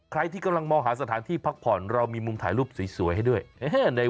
ใครที่กำลังมองหาสถานที่พักผ่อนเรามีมุมถ่ายรูปสวยของของเธอที่สุดแล้ว